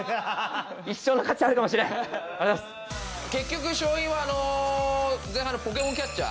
結局勝因はあの前半のポケモンキャッチャー。